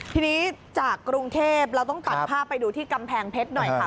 ทีนี้จากกรุงเทพเราต้องตัดภาพไปดูที่กำแพงเพชรหน่อยค่ะ